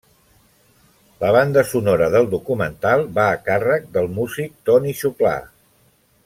La banda sonora del documental va a càrrec del músic Toni Xuclà.